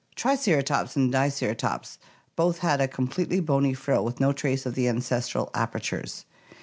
Triceratops and Diceratops both had a completely bony frill with no trace of the ancestral apertures.